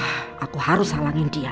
ah aku harus halangin dia